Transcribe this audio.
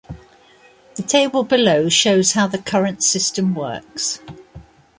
The table below shows how the current system works.